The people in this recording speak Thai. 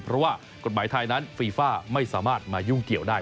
เพราะว่ากฎหมายไทยนั้นฟีฟ่าไม่สามารถมายุ่งเกี่ยวได้